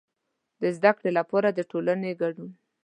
د زده کړې لپاره د ټولنې کډون.